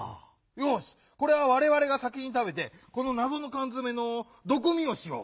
よしこれはわれわれが先にたべてこのなぞのかんづめのどくみをしよう！